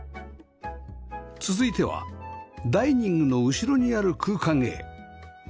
続いてはダイニングの後ろにある空間へ